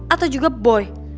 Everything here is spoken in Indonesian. atau juga boy